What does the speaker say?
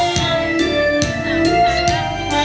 รักเธอรักเธอ